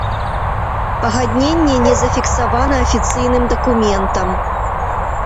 Пагадненне не зафіксавана афіцыйным дакументам.